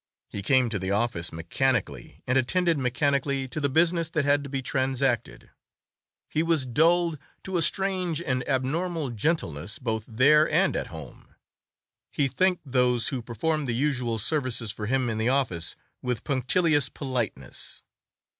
He came to the office mechanically, and attended mechanically to the business that had to be transacted. He was dulled to a strange and abnormal gentleness both there and at home. He thanked those who performed the usual services for him in the office with punctilious politeness.